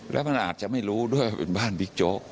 แล้วมันอาจจะไม่รู้ด้วยว่าเป็นบ้านบิ๊กโจ๊ก